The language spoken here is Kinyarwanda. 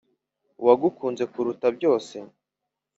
uwagukunze kuruta byose